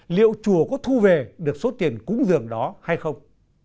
liệu chùa có thu về được số tiền cúng dường đó hay không